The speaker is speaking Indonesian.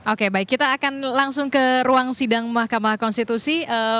oke baik kita akan langsung ke ruang sidang mahkamah konstitusi